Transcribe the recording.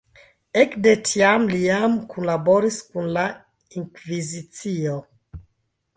Ekde tiam li jam kunlaboris kun la Inkvizicio.